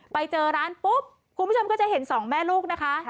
ไปเจอร้านปุ๊บคุณผู้ชมก็จะเห็นสองแม่ลูกนะคะ